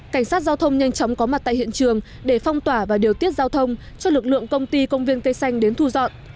cảnh sát giao thông nhanh chóng có mặt tại hiện trường để phong tỏa và điều tiết giao thông cho lực lượng công ty công viên cây xanh đến thu dọn